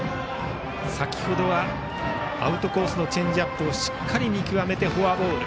先程はアウトコースのチェンジアップをしっかり見極めてフォアボール。